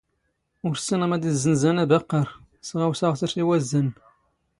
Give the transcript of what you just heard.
ⵓⵔ ⵙⵙⵉⵏⵖ ⵎⴰⴷ ⵉⵣⵣⵏⵣⴰⵏ ⴰⴱⴰⵇⵇⴰⵔ ⵙⵖⴰⵡⵙⴰⵖ ⵙⵉⵙ ⵉ ⵡⴰⵣⵣⴰⵏⵏ.